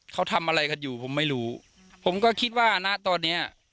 เขาทำอะไรกันอยู่ผมไม่รู้ผมก็คิดว่านะตอนเนี้ย